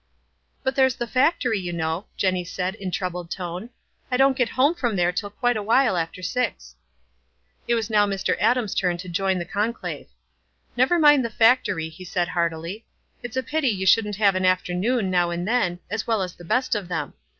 "But there's the factoiy, }'ou know," Jenny said, in troubled tone. "I don't get home from there till quite a while after six." 106 WISE AND OTHERWISE. 107 It was now Mr. Adams' turn to join the con clave. " Never mind the factory, " he said heartily. "It's a pity you shouldn't have an afternoon, now and then, as well as the best of them.